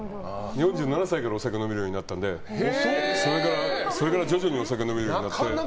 ４７歳からお酒が飲めるようになったのでそれから徐々にお酒が飲めるようになって。